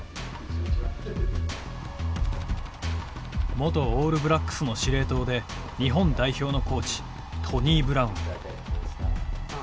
元オールブラックスの司令塔で日本代表のコーチトニー・ブラウン。